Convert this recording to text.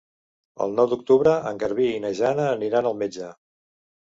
El nou d'octubre en Garbí i na Jana aniran al metge.